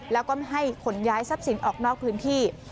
แล้วก็ไม่ให้ขนย้ายทรัพย์สินออกนอกพื้นที่